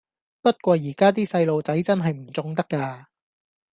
不過而家啲細路仔真係唔縱得㗎